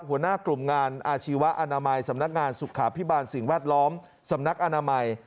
หัวหน้ากลุ่มงานอาชีวะอนามัยสำนักงานสุขาพิบาลสิ่งแวดล้อมสำนักอนามัย